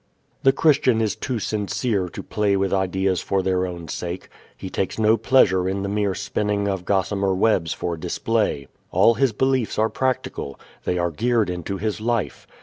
The Christian is too sincere to play with ideas for their own sake. He takes no pleasure in the mere spinning of gossamer webs for display. All his beliefs are practical. They are geared into his life.